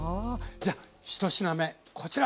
じゃあ１品目こちら！